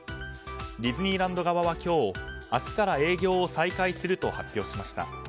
ディズニーランド側は今日明日から営業を再開すると発表しました。